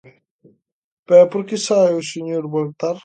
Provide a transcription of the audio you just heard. Pero, ¿por que sae o señor Baltar?